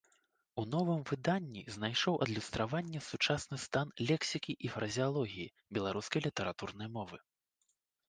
У новым выданні знайшоў адлюстраванне сучасны стан лексікі і фразеалогіі беларускай літаратурнай мовы.